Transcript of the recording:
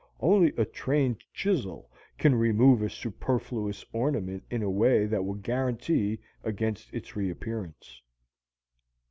Only a trained chisel can remove a superfluous ornament in a way that will guarantee against its reappearance.